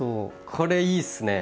これいいっすね！